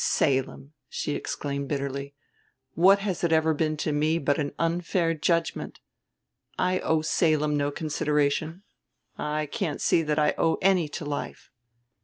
"Salem!" she exclaimed bitterly. "What has it ever been to me but an unfair judgment? I owe Salem no consideration; I can't see that I owe any to life."